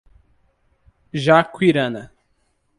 Jaquirana